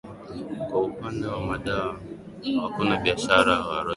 kwa upande wa madawa hakuna biashara huriya namna hiyo